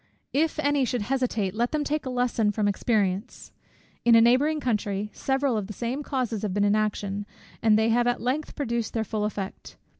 If any should hesitate, let them take a lesson from experience. In a neighbouring country, several of the same causes have been in action; and they have at length produced their full effect.